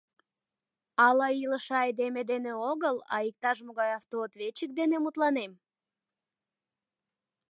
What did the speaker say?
Ала илыше айдеме дене огыл, а иктаж-могай автоответчик дене мутланем?